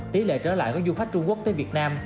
tỷ lệ trở lại của du khách trung quốc tới việt nam